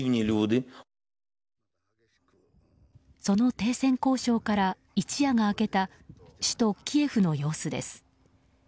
その停戦交渉から一夜が明けた首都キエフの様子です。